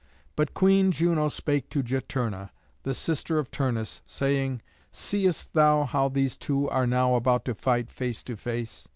But Queen Juno spake to Juturna, the sister of Turnus, saying, "Seest thou how these two are now about to fight, face to face?